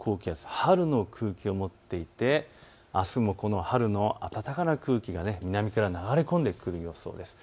春の空気を持っていてあすもこの春の暖かな空気が南から流れ込んでくる予想です。